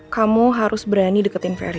kamu harus berani deketin ferry